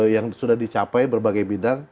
yang sudah dicapai berbagai bidang